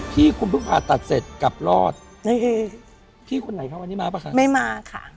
ที่คุณเพิ่งผ่าตัดเสร็จกลับรอดในเอพี่คนไหนคะวันนี้มาป่ะคะไม่มาค่ะ